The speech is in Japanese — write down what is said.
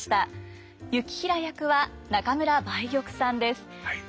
行平役は中村梅玉さんです。